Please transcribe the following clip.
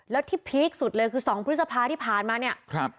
แล้วที่พีคสุดเลยคือ๒พฤษภาที่ผ่านมาเนี่ยครับ